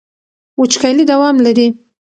وچکالي دوام لري.